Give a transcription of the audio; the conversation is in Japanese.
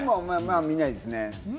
見ないですね。